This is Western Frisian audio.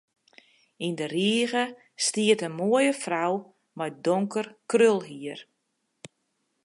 Yn de rige stiet in moaie frou mei donker krolhier.